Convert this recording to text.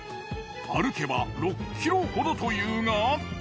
歩けば６ｋｍほどというが。